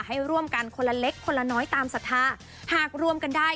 ให้ร่วมกันคนละเล็กคนละน้อยตามศรัทธาหากรวมกันได้